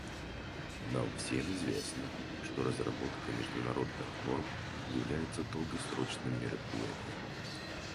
Нам всем известно, что разработка международных норм является долгосрочным мероприятием.